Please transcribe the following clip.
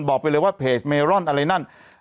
บอกเลยว่าเพจเมลอนอะไรนั่น